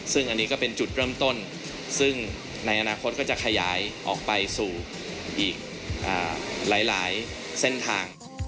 ซึ่งในอนาคตก็จะขยายออกไปสู่อีกหลายเส้นทาง